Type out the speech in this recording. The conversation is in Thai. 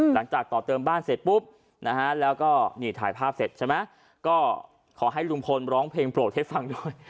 ต่อเติมบ้านเสร็จปุ๊บนะฮะแล้วก็นี่ถ่ายภาพเสร็จใช่ไหมก็ขอให้ลุงพลร้องเพลงโปรดให้ฟังด้วย